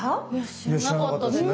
知らなかったですね。